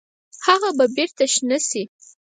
هغه به بیرته شنه شي؟